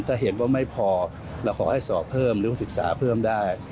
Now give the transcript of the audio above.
ถ้าเห็นว่าไม่พอละคนให้สอบเพิ่มรู้ศึกษาเพิ่มได้